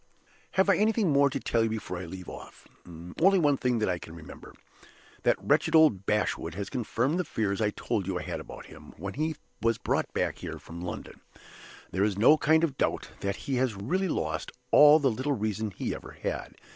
"Have I anything more to tell you before I leave off? Only one thing that I can remember. "That wretched old Bashwood has confirmed the fears I told you I had about him when he was brought back here from London. There is no kind of doubt that he has really lost all the little reason he ever had.